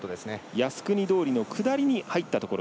靖国通りの下りに入ったところ。